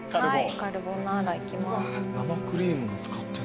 カルボナーラいきます。